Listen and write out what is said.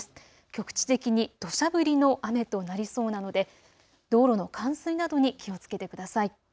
局地的にどしゃ降りの雨となりそうなので道路の冠水などに気をつけてください。